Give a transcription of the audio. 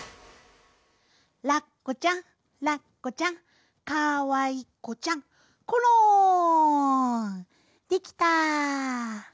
「ラッコちゃんラッコちゃんかわいこちゃんころん」できた。